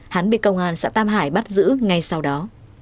hắn bị công an xã tam hải bắt giữ ngay sau đó